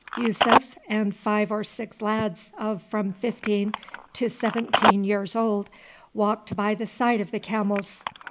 Yussuf and five or six lads of from fifteen to seventeen years old walked by the side of the camels.